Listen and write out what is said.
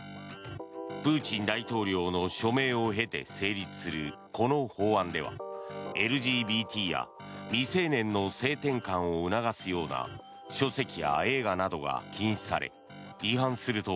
プーチン大統領の署名を経て成立する、この法案ではＬＧＢＴや未成年の性転換を促すような書籍や映画などが禁止され違反すると